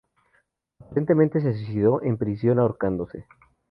Aparentemente se suicidó en prisión, ahorcándose.